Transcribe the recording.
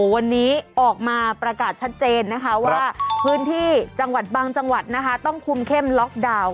วันนี้ออกมาประกาศชัดเจนนะคะว่าพื้นที่จังหวัดบางจังหวัดนะคะต้องคุมเข้มล็อกดาวน์